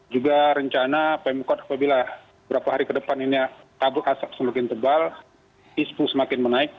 juga rencana pemkot apabila beberapa hari ke depan ini kabut asap semakin tebal ispu semakin menaik